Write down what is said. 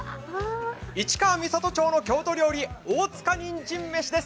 市川三郷町の郷土料理、大塚にんじんです。